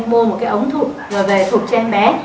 mua một cái ống thục rồi về thục cho em bé